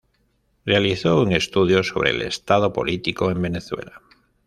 Realizó un estudio sobre el estado político en Venezuela.